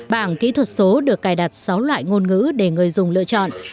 bảng kỹ thuật số được cài đặt sáu loại ngôn ngữ để người dùng lựa chọn